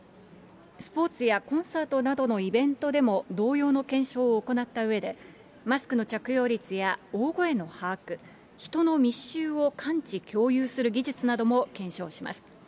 スポーツやコンサートなどのイベントでも同様の検証を行ったうえで、マスクの着用率や大声の把握、人の密集を感知・共有する技術なども検証します。